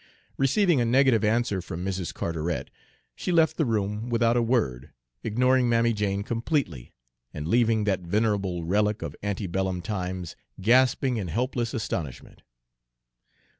Receiving a negative answer from Mrs. Carteret, she left the room without a word, ignoring Mammy Jane completely, and leaving that venerable relic of ante bellum times gasping in helpless astonishment.